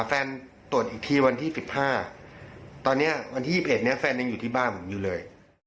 แฟนตรวจอีกทีวันที่สิบห้าตอนเนี้ยวันที่สิบเอ็ดเนี้ยแฟนยังอยู่ที่บ้านผมอยู่เลย